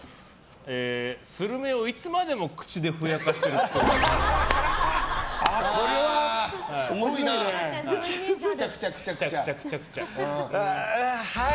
スルメをいつまでも口でふやかしてるっぽい。